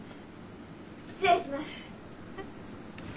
・失礼します。